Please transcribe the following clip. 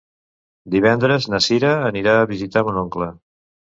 Divendres na Sira anirà a visitar mon oncle.